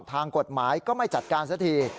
ทางกฎหมายก็ไม่จัดการสักที